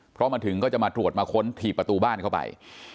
เพราะมาถึงก็จะมาตรวจมาค้นถีบประตูบ้านเข้าไป